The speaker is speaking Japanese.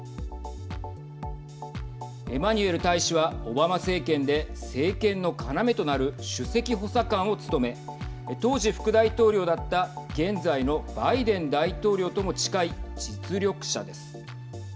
エマニュエル大使はオバマ政権で政権の要となる首席補佐官を務め当時、副大統領だった現在のバイデン大統領とも近い実力者です。